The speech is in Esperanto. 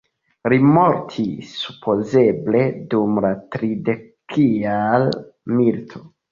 Li mortis supozeble dum la tridekjara milito.